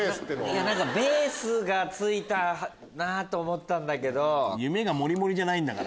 「ベース」が付いたなと思ったんだけど。